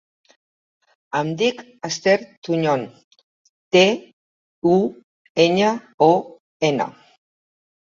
Em dic Esther Tuñon: te, u, enya, o, ena.